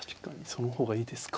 その方がいいですか。